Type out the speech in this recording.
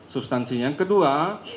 substansi yang kedua